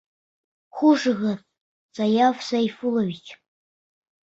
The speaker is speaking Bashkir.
Хушығыҙ, Саяф Сәйфуллович.